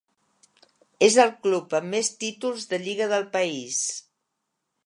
És el club amb més títols de lliga del país.